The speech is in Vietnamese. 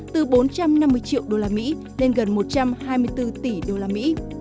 từ bốn trăm năm mươi triệu đô la mỹ lên gần một trăm hai mươi bốn tỷ đô la mỹ